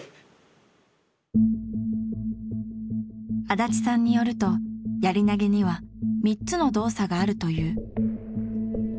足立さんによるとやり投げには３つの動作があるという。